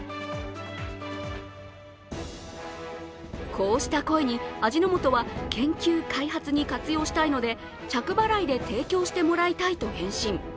こうした声に味の素は研究・開発に活用したいので着払いで提供してもらいたいと返信。